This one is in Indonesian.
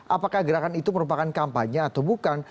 apakah gerakan itu merupakan kampanye atau bukan